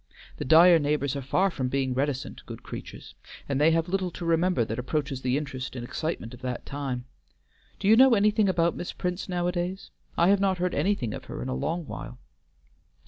The Dyer neighbors are far from being reticent, good creatures, and they have little to remember that approaches the interest and excitement of that time. Do you know anything about Miss Prince nowadays? I have not heard anything of her in a long while."